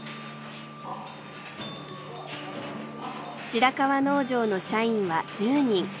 白川農場の社員は１０人。